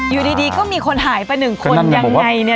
อยู่ดีก็มีคนหายไปหนึ่งคนยังไงเนี่ย